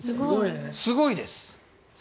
すごいです。